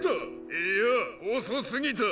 いや遅すぎた。